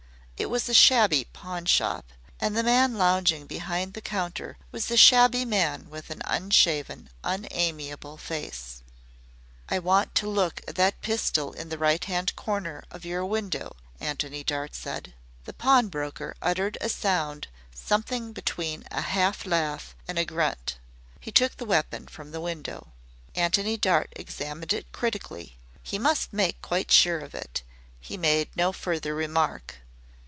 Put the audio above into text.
It was a shabby pawnshop, and the man lounging behind the counter was a shabby man with an unshaven, unamiable face. "I want to look at that pistol in the right hand corner of your window," Antony Dart said. The pawnbroker uttered a sound something between a half laugh and a grunt. He took the weapon from the window. Antony Dart examined it critically. He must make quite sure of it. He made no further remark.